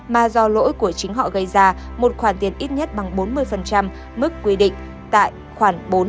mà do lỗi của chính họ gây ra một khoản tiền ít nhất bằng bốn mươi mức quy định tại khoảng bốn mươi